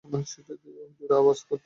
ওহ, জোরে আওয়াজ করতে বলেছি?